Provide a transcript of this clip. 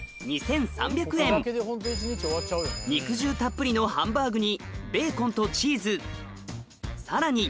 肉汁たっぷりのハンバーグにベーコンとチーズさらに